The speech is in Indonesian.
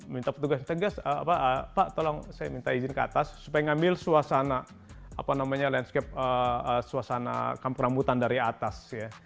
minta petugas tegas pak tolong saya minta izin ke atas supaya ngambil suasana landscape suasana kampung rambutan dari atas ya